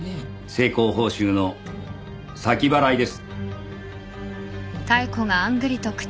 成功報酬の先払いです。